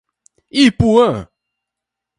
Ipuã